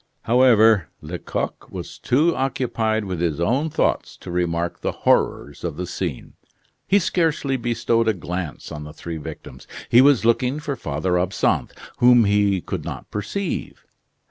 However, Lecoq was too occupied with his own thoughts to remark the horrors of the scene. He scarcely bestowed a glance on the three victims. He was looking for Father Absinthe, whom he could not perceive.